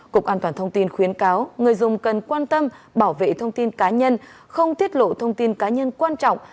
cục an toàn thông tin khuyến cáo người dùng cần quan tâm bảo vệ thông tin cá nhân không tiết lộ thông tin cá nhân quan trọng